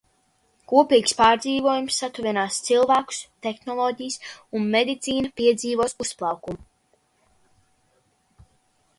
Kopīgs pārdzīvojums satuvinās cilvēkus, tehnoloģijas un medicīna piedzīvos uzplaukumu.